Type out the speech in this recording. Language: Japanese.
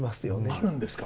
あるんですか？